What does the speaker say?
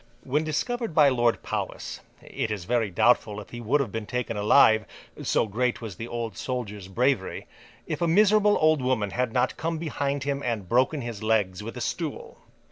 When discovered by Lord Powis, it is very doubtful if he would have been taken alive—so great was the old soldier's bravery—if a miserable old woman had not come behind him and broken his legs with a stool.